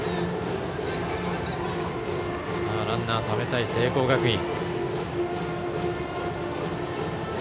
ランナーをためたい聖光学院。